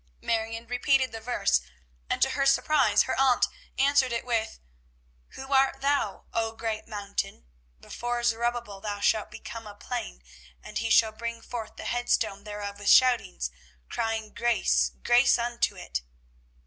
Marion repeated the verse, and to her surprise her aunt answered it with, "'Who art thou, O great mountain? Before Zerubbabel thou shalt become a plain: and he shall bring forth the headstone thereof with shoutings, crying grace! grace unto it.'"